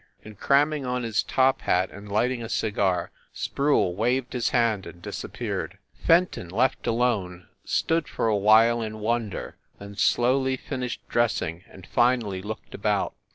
And cramming on his top hat and lighting a cigar, Sproule waved his hand and disappeared. Fenton, left alone, stood for a while in wonder, then slowly finished dressing, and finally looked about.